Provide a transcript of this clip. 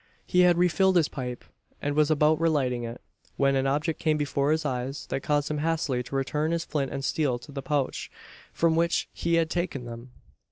He had refilled his pipe, and was about relighting it, when an object came before his eyes, that caused him hastily to return his flint and steel to the pouch from which he had taken them.